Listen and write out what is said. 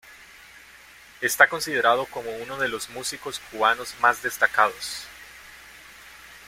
Está considerado como uno de los músicos cubanos más destacados.